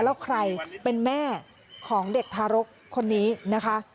แล้วใครเป็นแม่ของเด็กทารกคนนี้นะคะ